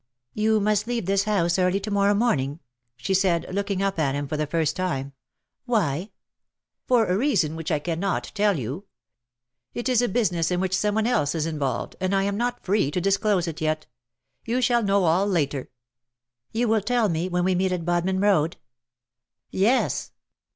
^^" You must leave this house early to morrow morning," she said, looking up at him for the first time. " Why V " For a reason which I cannot tell you. It is a business in which some one else is involved, and I am not free to disclose it yet. You shall know all later.'' " You will tell me, when we meet at Bodmin Road.'' '^ Yes.